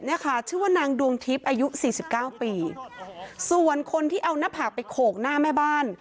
เนี่ยค่ะชื่อว่านางดวงทิพย์อายุสี่สิบเก้าปีส่วนคนที่เอาหน้าผากไปโขกหน้าแม่บ้าน